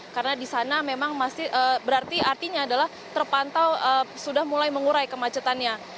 karena di sana memang masih berarti artinya adalah terpantau sudah mulai mengurai kemacetannya